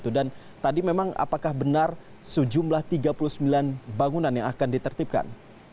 dan tadi memang apakah benar sejumlah tiga puluh sembilan bangunan yang akan ditertibkan